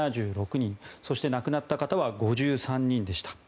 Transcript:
そして亡くなった方は５３人でした。